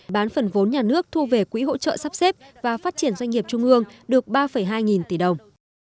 bán phần vốn nhà nước thu về quỹ hỗ trợ sắp xếp và phát triển doanh nghiệp trung ương được ba hai nghìn tỷ đồng